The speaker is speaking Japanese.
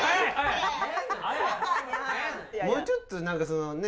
もうちょっと何かそのね。